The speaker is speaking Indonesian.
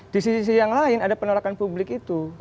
di sisi yang lain ada penolakan publik itu